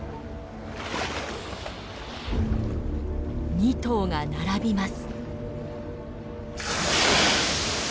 ２頭が並びます。